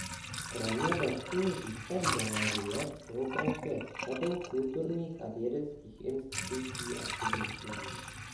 Kromě vlastních výstav galerie spolupracuje s řadou kulturních a vědeckých institucí a subjektů.